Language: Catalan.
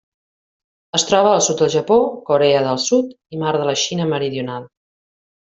Es troba al sud del Japó, Corea del Sud i Mar de la Xina Meridional.